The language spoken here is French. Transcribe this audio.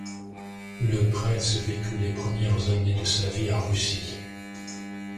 Le prince vécut les premières années de sa vie en Russie.